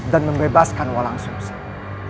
dan membebaskan walang sungsang